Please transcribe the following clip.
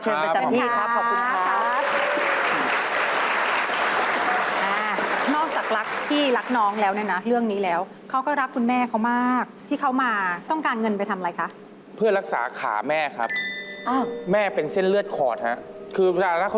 ประจำที่ครับขอบคุณมากครับ